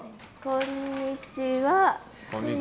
こんにちは。